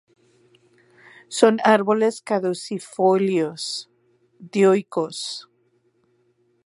Son árboles caducifolios, dioicos.